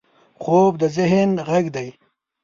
خوب د ذهن غږ دی